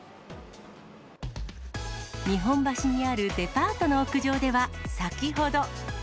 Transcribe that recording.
日本橋にあるデパートの屋上では先ほど。